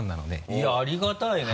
いやありがたいね！